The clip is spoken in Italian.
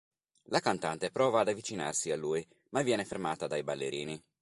La cantante prova ad avvicinarsi a lui ma viene fermata dai ballerini.